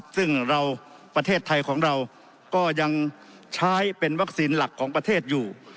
ซึ่งเราประเทศไทยของเราก็ยังใช้เป็นวัคซีนหลักของประเทศอยู่